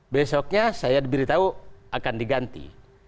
besoknya saya diberitahu akan diganti